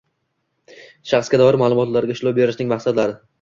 Shaxsga doir ma’lumotlarga ishlov berishning maqsadlari